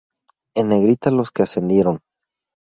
En negrita los que ascendieron.